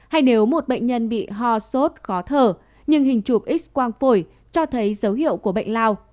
hay nếu một bệnh nhân bị ho sốt khó thở nhưng hình chụp x quang phổi cho thấy dấu hiệu của bệnh lao